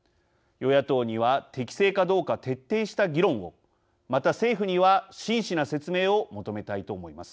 与野党には適正かどうか徹底した議論をまた政府には真摯な説明を求めたいと思います。